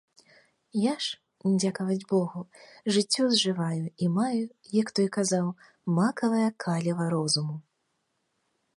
Я ж, дзякаваць богу, жыццё зжываю і маю, як той казаў, макавае каліва розуму.